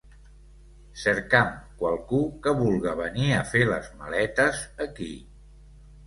Cercam qualcú que vulga venir a fer les maletes aquí.